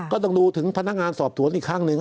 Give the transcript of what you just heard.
ก็ต้องดูถึงพนักงานสอบสวนอีกครั้งหนึ่ง